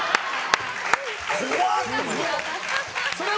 怖っ！